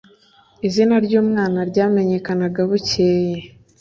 Izina ry’umwana ryamenyekanaga bukeye